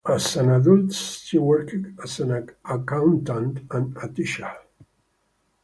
As an adult she worked as an accountant and a teacher.